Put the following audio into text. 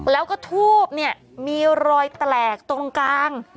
แล้วก็ทูบเนี่ยมีรอยแตกตรงกลาง